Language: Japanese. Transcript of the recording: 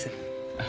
あ。